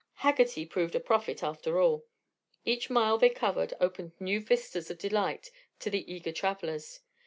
Haggerty proved a prophet, after all. Each mile they covered opened new vistas of delight to the eager travelers.